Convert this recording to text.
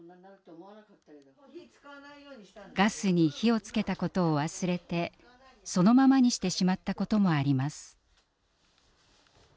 ガスに火をつけたことを忘れてそのままにしてしまったこともあります。